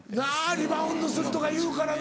リバウンドするとかいうからな。